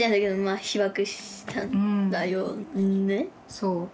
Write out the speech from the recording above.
そう。